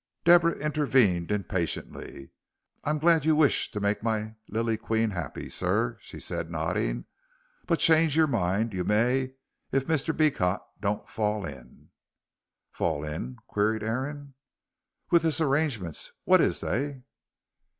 Deborah intervened impatiently. "I'm glad you wish to make my lily queen happy, sir," said she, nodding, "but change your mind you may if Mr. Beecot don't fall in." "Fall in?" queried Aaron. "With this arrangements what is they?"